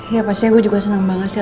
iya pastinya gue juga senang banget sih